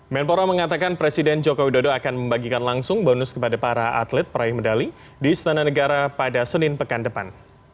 menpora mengatakan presiden joko widodo akan membagikan langsung bonus kepada para atlet peraih medali di istana negara pada senin pekan depan